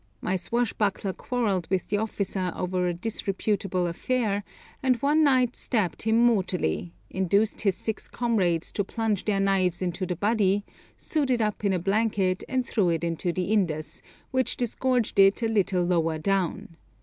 My swashbuckler quarrelled with the officer over a disreputable affair, and one night stabbed him mortally, induced his six comrades to plunge their knives into the body, sewed it up in a blanket, and threw it into the Indus, which disgorged it a little lower down.